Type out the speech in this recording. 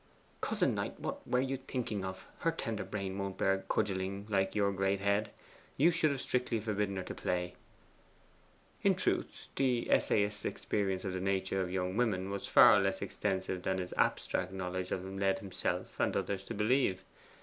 Cousin Knight, what were you thinking of? her tender brain won't bear cudgelling like your great head. You should have strictly forbidden her to play again.' In truth, the essayist's experience of the nature of young women was far less extensive than his abstract knowledge of them led himself and others to believe.